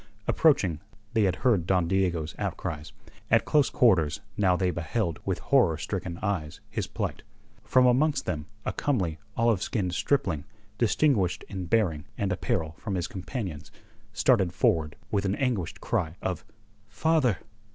Approaching, they had heard Don Diego's outcries; at close quarters now they beheld with horror stricken eyes his plight. From amongst them a comely, olive skinned stripling, distinguished in bearing and apparel from his companions, started forward with an anguished cry of "Father!"